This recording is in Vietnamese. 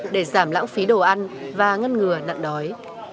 để giảm lãng phí đồ ăn và ngăn ngừa nạn đói